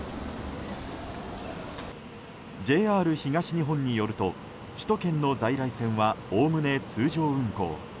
ＪＲ東日本によると首都圏の在来線はおおむね通常運行。